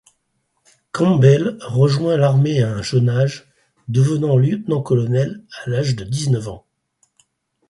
Campbell rejoint l'armée à un jeune âge, devenant Lieutenant-colonel à l'âge de dix-neuf ans.